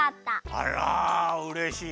あらうれしい。